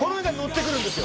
ッてくるんですよ